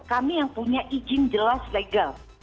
kami yang punya izin jelas legal